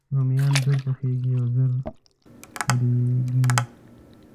رومیان ژر پخیږي او ژر خورېږي